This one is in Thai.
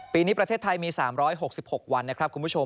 ปีนี้ประเทศไทยมี๓๖๖วันนะครับคุณผู้ชม